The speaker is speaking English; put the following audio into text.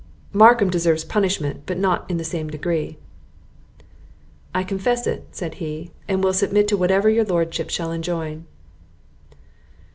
"Markham deserves punishment, but not in the same degree." "I confess it," said he, "and will submit to whatever your lordship shall enjoin."